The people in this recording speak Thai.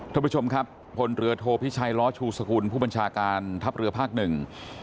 ท่านผู้ชมครับพลเรือโทพิชัยล้อชูสกุลผู้บัญชาการทัพเรือภาคหนึ่ง